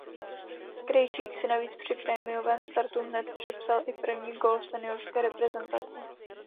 Krejčík si navíc při premiérovém startu hned připsal i první gól v seniorské reprezentaci.